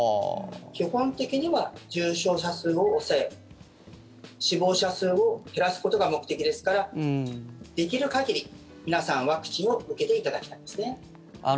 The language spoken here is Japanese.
基本的には、重症者数を抑え死亡者数を減らすことが目的ですからできる限り、皆さんワクチンを受けていただきたいですね。